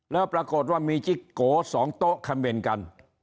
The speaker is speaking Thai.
แล้วปรากฏว่ามีจิ๊กโก๒โต๊ะคำเมนต์กัน